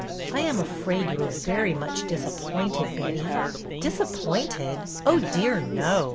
'' I am afraid you are very much disappointed, Betty." ''Disappointed? Oh, dear, no!"